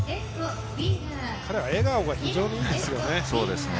彼は笑顔が非常にいいですよね。